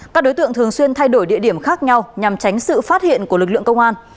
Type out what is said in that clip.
các đối tượng thường xuyên thay đổi địa điểm khác nhau nhằm tránh sự phát hiện của lực lượng công an